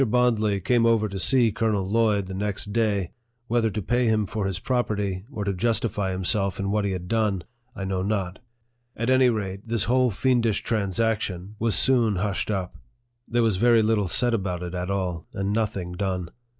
Bondly came over to see Colonel Lloyd the next day, whether to pay him for his property, or to justify himself in what he had done, I know not. At any rate, this whole fiendish transaction was soon NARRATIVE OF THE hushed up. There was very little said about it at all, and nothing done.